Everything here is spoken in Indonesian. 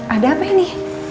ada apa ini